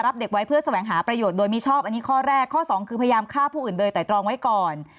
เด็กไว้เพื่อแสวงหาประโยชน์โดยมิชอบอันนี้ข้อแรกข้อสองคือพยายามฆ่าผู้อื่นโดยไตรตรองไว้ก่อน